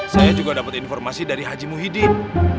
saya juga dapat informasi dari haji muhyiddin